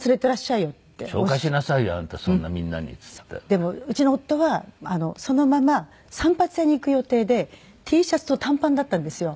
でもうちの夫はそのまま散髪屋に行く予定でＴシャツと短パンだったんですよ。